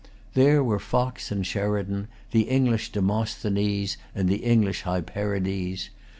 There were Fox and Sheridan, the English Demosthenes and the English Hyperides.